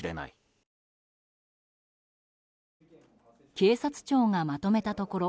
警察庁がまとめたところ